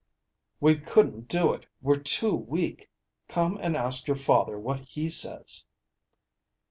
"We couldn't do it; we're too weak. Come and ask your father what he says."